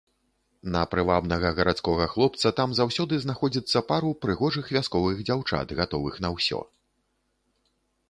На прывабнага гарадскога хлопца там заўсёды знаходзіцца пару прыгожых вясковых дзяўчат, гатовых на ўсё.